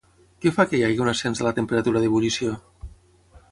Què fa que hi hagi un ascens de la temperatura d'ebullició?